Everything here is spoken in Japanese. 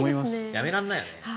やめられないよね。